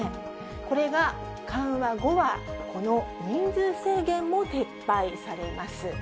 これが緩和後は、この人数制限も撤廃されます。